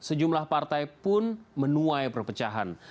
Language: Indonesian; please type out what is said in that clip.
sejumlah partai pun menuai perpecahan